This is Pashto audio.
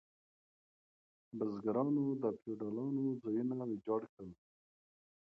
بزګرانو د فیوډالانو ځایونه ویجاړ کړل.